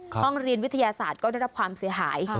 ห้องเรียนวิทยาศาสตร์ก็ได้รับความเสียหาย